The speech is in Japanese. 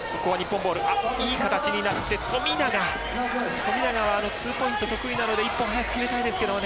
富永はツーポイント得意なので１本早く決めたいですけどね。